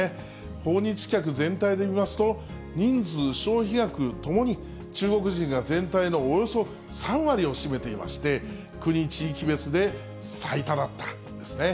訪日客全体で見ますと、人数、消費額ともに中国人が全体のおよそ３割を占めていまして、国・地域別で最多だったんですね。